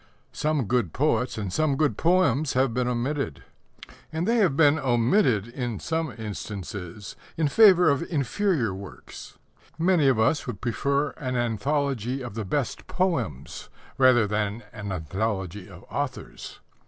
Some good poets and some good poems have been omitted. And they have been omitted, in some instances, in favour of inferior work. Many of us would prefer an anthology of the best poems rather than an anthology of authors.